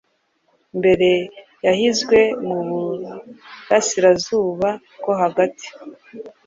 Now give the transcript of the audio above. mbere yahinzwe mu burairazuba bwo hagati